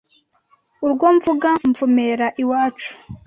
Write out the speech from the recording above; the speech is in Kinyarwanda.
urwo mvuga mvumera iwacu”